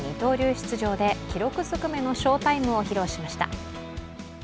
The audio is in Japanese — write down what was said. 出場で記録ずくめの翔タイムを披露しました。